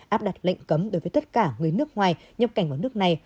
áp đặt lệnh cấm đối với tất cả người nước ngoài nhập cảnh vào nước này